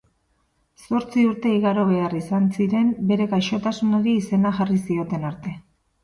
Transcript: Zortzi urte igaro behar izan ziren bere gaixotasunari izena jarri zioten arte.